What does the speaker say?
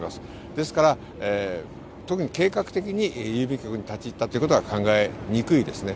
ですから特に計画的に郵便局に立ち入ったということは考えにくいですね。